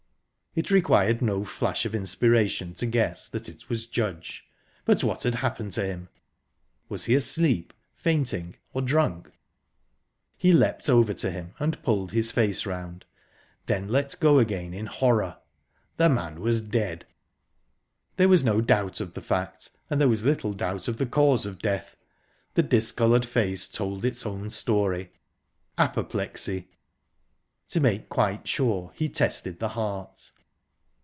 It required no flash of inspiration to guess that it was Judge but what had happened to him? Was he asleep, fainting, or drunk?...He leapt over to him, and pulled his face round...then let go again in horror. The man was dead!... There was no doubt of the fact, and there was little doubt of the cause of death. The discoloured face told its own story apoplexy!... To make quite sure, he tested the heart.